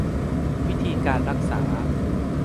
วิธีการรักษา